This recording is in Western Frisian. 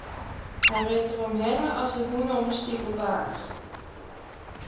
Hy rint deromhinne as de hûn om in stikelbaarch.